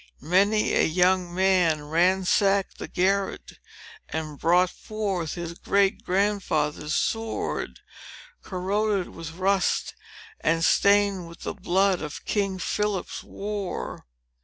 Many a young man ransacked the garret, and brought forth his great grandfather's sword, corroded with rust, and stained with the blood of King Philip's war.